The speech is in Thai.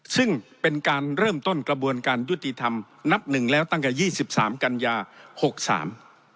ซึ่งเป็นการเริ่มต้นกระบวนการยุติธรรมนับหนึ่งแล้วตั้งแต่ยี่สิบสามกันยาหกสาม